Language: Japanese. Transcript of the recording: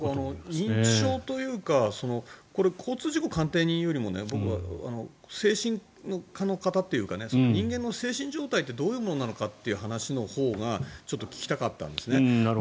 認知症というか交通事故鑑定人よりも精神科の方というか人間の精神状態ってどういうものなのかという話のほうがちょっと聞きたかったんですね。